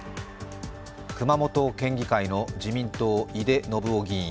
熊本県議会の自民党・井手順雄議員